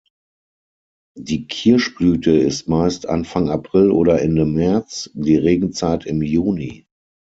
Die Kirschblüte ist meist Anfang April oder Ende März, die Regenzeit im Juni.